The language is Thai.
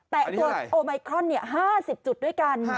แต่ตัวโอไมครอน๕๐จุดด้วยกัน